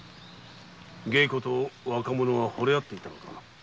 芸妓と若者はほれ合っていたのか。